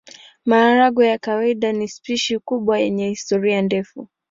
Maharagwe ya kawaida ni spishi kubwa yenye historia ndefu.